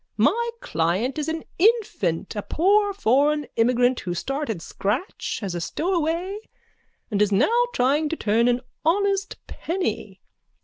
My client is an infant, a poor foreign immigrant who started scratch as a stowaway and is now trying to turn an honest penny.